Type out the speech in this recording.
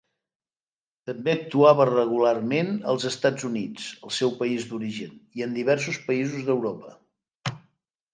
També actuava regularment als Estats Units, el seu país d'origen, i en diversos països d'Europa.